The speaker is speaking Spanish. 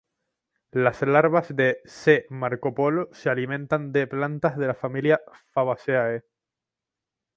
Las larvas de "C. marcopolo" se alimentan de plantas de la familia "Fabaceae".